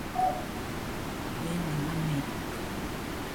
Kuena mamerite.